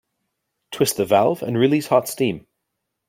Twist the valve and release hot steam.